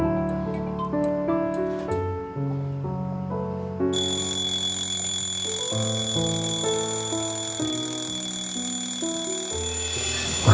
aku mau ke rumah